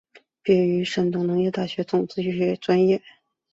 毕业于山东农业大学种子专业。